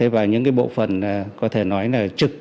và những bộ phần có thể nói là trực